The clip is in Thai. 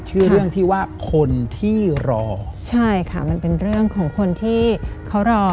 ชื่อเรื่องที่ว่าคนที่รอใช่ค่ะมันเป็นเรื่องของคนที่เขารอ